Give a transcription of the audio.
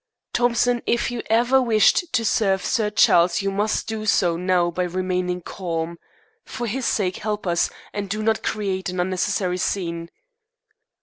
"Thompson, if you ever wished to serve Sir Charles you must do so now by remaining calm. For his sake, help us, and do not create an unnecessary scene."